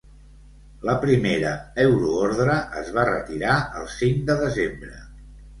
La primera euroordre es va retirar el cinc de desembre.